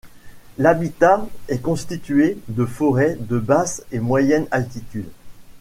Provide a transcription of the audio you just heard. L'habitat est constitué de forêts de basse et moyenne altitude.